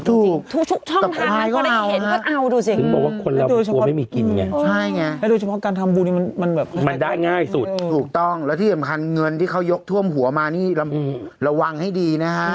ทุกช่องทางก็ได้เห็นก็เอาดูสิอืมให้ดูเฉพาะอืมมันได้ง่ายสุดถูกต้องแล้วที่สำคัญเงินที่เขายกท่วมหัวมานี่ระวังให้ดีนะฮะ